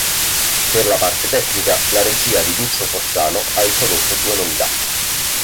Per la parte tecnica, la regia di Duccio Forzano ha introdotto due novità.